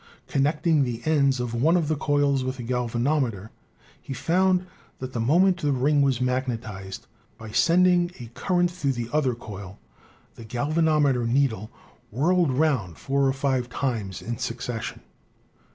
Connecting the ends of one of the coils with a galvanometer, he found that the moment the ring was magnetized, by sending a current through the other coil, the galvanometer needle whirled round four or five times in succession.